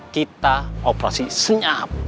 kita operasi senyap